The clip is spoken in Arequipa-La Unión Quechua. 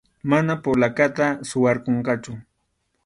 Mana polacata suwarqunqachu.